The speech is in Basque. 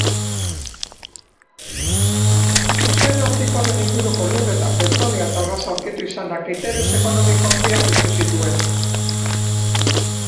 Ozeano Artikoaren inguruko lurretan petrolioa eta gasa aurkitu izanak interes ekonomiko handiak piztu zituen.